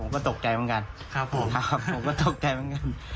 ผมก็ตกใจเหมือนกัน